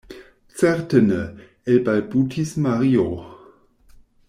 Certe ne, elbalbutis Mario.